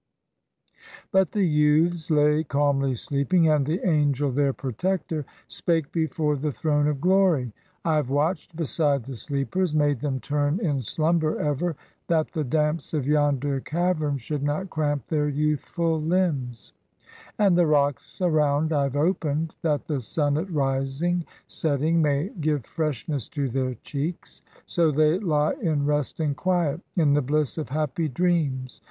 But the youths lay calmly sleeping; And the angel, their protector. Spake before the throne of glory :" I have watched beside the sleepers, 330 THE SEVEN SLEEPERS OF EPHESUS Made them turn in slumber ever, That the damps of yonder cavern Should not cramp their youthful limbs; And the rocks around I've opened, That the sun at rising, setting, May give freshness to their cheeks. So they lie in rest and quiet. In the bliss of happy dreams."